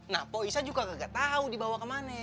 nah pak isah juga enggak tahu dibawa ke mana